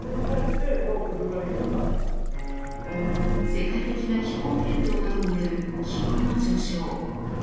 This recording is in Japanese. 世界的な気候変動などによる気温の上昇。